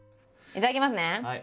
いただきます！